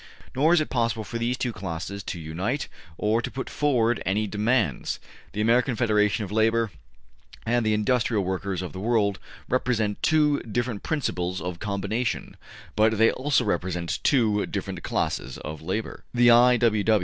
Nor is it possible for these two classes to unite or to put forward any demands. ... The American Federation of Labor and the Industrial Workers of the World represent two different principles of combination; but they also represent two different classes of labor.'' The I. W.